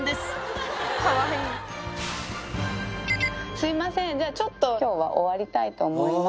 すみません、じゃあちょっと、きょうは終わりたいと思います。